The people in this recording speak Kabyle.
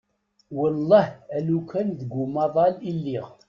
Wellah alukan deg umaḍal i lliɣ.